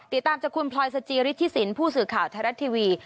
ติดตามจากคุณพลอยสจิฤทธิสินผู้สื่อข่าวไทยรัฐทีวี